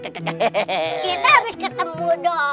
kita abis ketemu dong